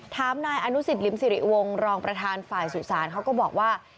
นายอนุสิตริมสิริวงศ์รองประธานฝ่ายสุสานเขาก็บอกว่า